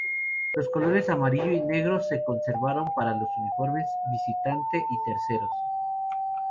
Los colores amarillo y negro se conservaron para los uniformes visitante y terceros.